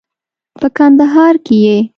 په کندهار کې یې